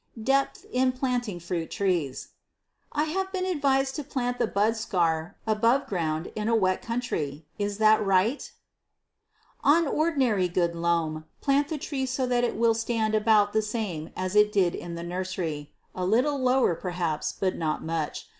Depth in Planting Fruit Trees. I have been advised to plant the bud scar above ground in a wet country. Is that right? On ordinary good loam, plant the tree so that it will stand about the same as it did in the nursery: a little lower, perhaps, but not much.